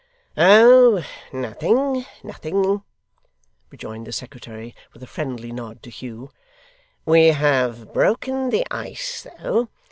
'Oh, nothing, nothing,' rejoined the secretary, with a friendly nod to Hugh. 'We have broken the ice, though.